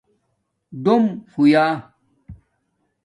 ڈُوم ہویا